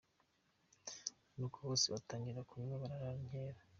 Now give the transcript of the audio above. Nuko bose batangira kunywa barara inkera.